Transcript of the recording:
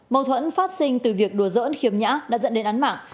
mâu thuẫn phát sinh từ việc đùa giỡn khiếm nhã đã dẫn đến án mạng